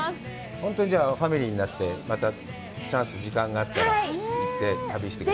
本当にファミリーになって、またチャンス、時間があったら行って、旅してくだ